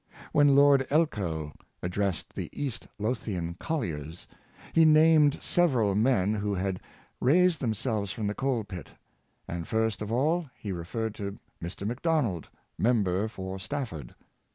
When Lord Elcho addressed the East Lothian colliers, he named several men who had raised themselves from the coal pit; and, first of all, he re ferred to Mr. Macdonald, member for Stafford.